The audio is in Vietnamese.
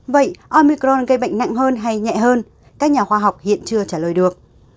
vậy omicron gây bệnh nặng hơn hay nhẹ hơn các nhà khoa học hiện chưa trả lời được